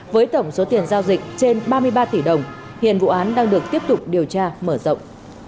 với tổng số tiền giao dịch trên ba mươi ba tỷ đồng hiện vụ án đang được tiếp tục điều tra mở rộng